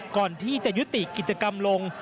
ก่อนที่จะยุติกิจกรรมลง